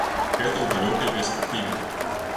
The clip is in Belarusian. Гэта ў далёкай перспектыве.